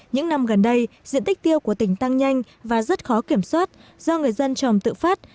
những năm gần đây diện tích tiêu của tỉnh tăng nhanh và rất khó kiểm soát do người dân trồng tự phát